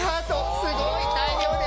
すごい大量です。